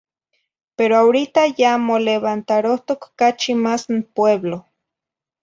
Pero ahorita ya molevantarohtoc cachi más n pueblo.